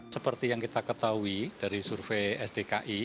seperti yang kita ketahui dari survei sdki